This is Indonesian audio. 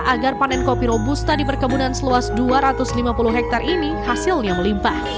agar panen kopi robusta di perkebunan seluas dua ratus lima puluh hektare ini hasilnya melimpah